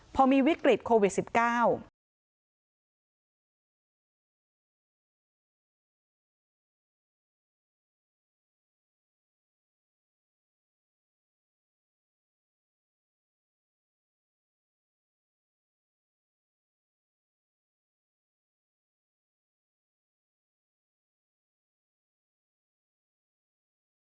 พอมีวิกฤตโควิด๑๙